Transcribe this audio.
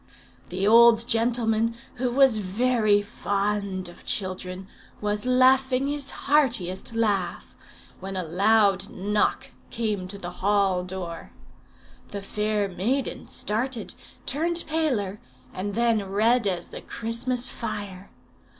"The old gentleman, who was very fond of children, was laughing his heartiest laugh, when a loud knock came to the hall door. The fair maiden started, turned paler, and then red as the Christmas fire.